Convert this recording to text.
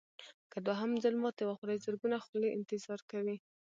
که دوهم ځل ماتې وخورئ زرګونه خولې انتظار کوي.